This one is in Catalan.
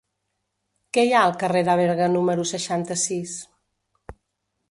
Què hi ha al carrer de Berga número seixanta-sis?